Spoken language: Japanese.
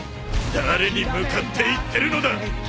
誰に向かって言ってるのだ！